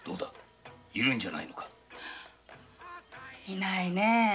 いないね。